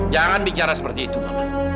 jangan bicara seperti itu mama